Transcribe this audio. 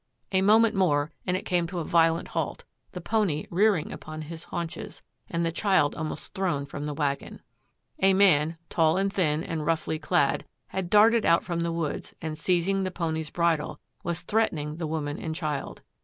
A moment more and it came to a violent halt, the pony rearing upon his haunches, and the child almost thrown from the wagon. A man, tall and thin and roughly clad, had darted out from the woods, and seizing the pony's bridle, was threatening the woman and child.